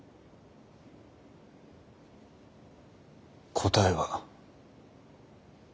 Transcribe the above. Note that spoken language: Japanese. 答えは。